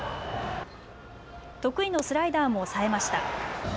得意のスライダーも抑えました。